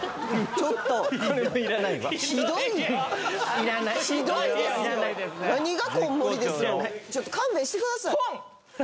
ちょっと勘弁してください。